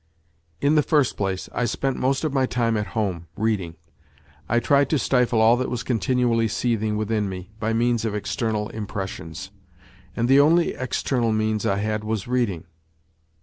In the first place I spent most of my time at home, reading. I tried to stifle all that was continually seething within me by means of external impressions. And the only external means I had was reading.